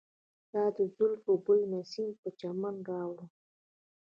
ستا د زلفو بوی نسیم په چمن راوړ.